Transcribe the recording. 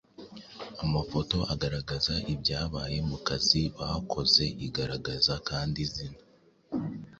Amafoto agaragaza ibyabaye mukazi bakoze Igaragaza kandi izina